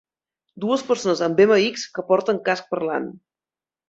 Dues persones amb BMX que porten casc parlant.